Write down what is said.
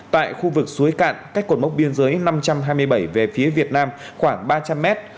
tại khu vực suối cạn cách cột mốc biên giới năm trăm hai mươi bảy về phía việt nam khoảng ba trăm linh mét